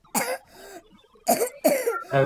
霍伊克瓦尔德是德国图林根州的一个市镇。